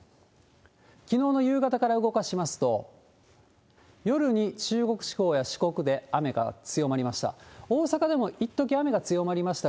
きのうの夕方から動かしますと、夜に中国地方や四国で雨が強まりました。